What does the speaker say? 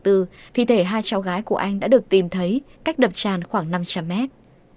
thi thể hai cháu gái của anh đã được tìm thấy cách đập tràn khoảng năm trăm linh mét